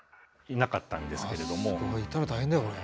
いたら大変だよこれ。